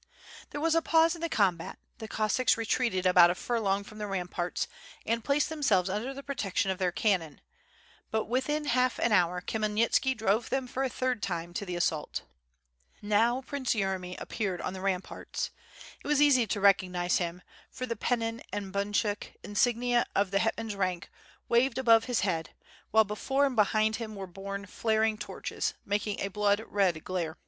There was a pause in the combat, the Cossacks retreated about a furlong from the ramparts and placed themselves under the protection of their cannon; but within half an hour Khmyelnitski drove them for the third time to the assault. Now Prince Yeremy appeared on the ramparts. It was easy to recognize him, for the pennon and bunchuk, insignia of the hetman's rank, waved above his head, while before and behind him were borne flaring torches, making a blood red glare.